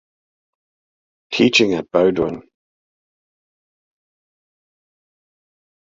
Teaching at Bowdoin.